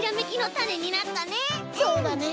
そうだね！